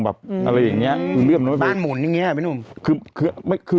อะไรอย่างนี้